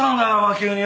急によ。